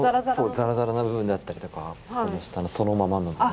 ザラザラな部分であったりとかこの下のそのままの部分。